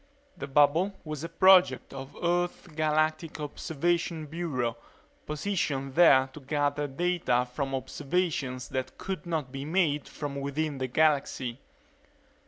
The bubble was a project of Earth's Galactic Observation Bureau, positioned there to gather data from observations that could not be made from within the galaxy.